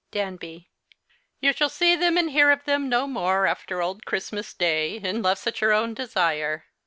Danby. You shall see them and hear of them no more after old Christmas Day, unless at your own desire.